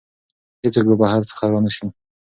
هیڅوک به بهر څخه را نه شي.